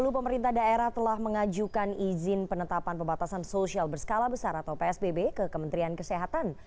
sepuluh pemerintah daerah telah mengajukan izin penetapan pembatasan sosial berskala besar atau psbb ke kementerian kesehatan